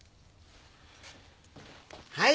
はい。